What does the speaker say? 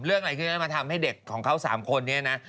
เรื่องอะไรขึ้นก็มาทำให้เด็กของเขาสามคนเนี่ยนะ